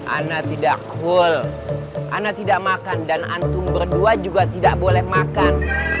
anak tidak full anak tidak makan dan antung berdua juga tidak boleh makan